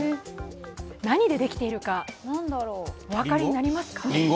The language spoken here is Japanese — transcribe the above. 何でできているかお分かりになりますか？